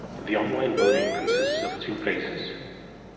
The online voting consists of two phases.